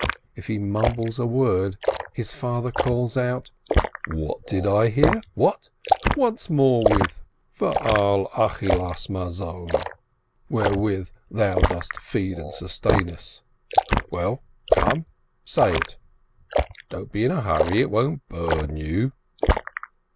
If he mumbles a word, his father calls out: "What did I hear? what? once more, 'Wherewith Thou dost feed and sustain us.' Well, come, say it! Don't be in a hurry, it won't burn you